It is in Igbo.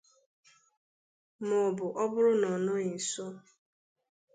maọbụ ọ bụrụ na ọ nọghị nso